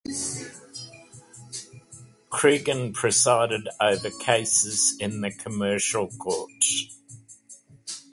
Cregan presided over cases in the Commercial Court.